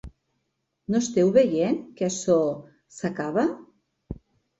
No esteu veient que açò s’acaba?